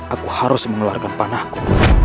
aku harus mengeluarkan panahku